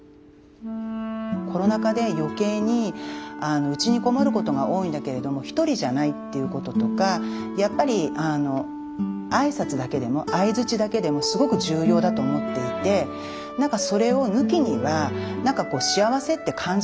コロナ禍で余計にうちに籠もることが多いんだけれども１人じゃないっていうこととかやっぱり挨拶だけでも相づちだけでもすごく重要だと思っていて何かそれを抜きには何かこう幸せって感じられないんじゃないかなと思うので。